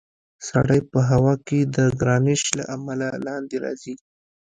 سړی په هوا کې د ګرانش له امله لاندې راځي.